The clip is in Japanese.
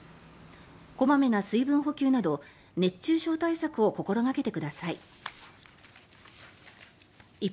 小まめな水分補給など熱中症対策を心掛けてください。